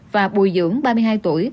và bùi dưỡng ba mươi hai tuổi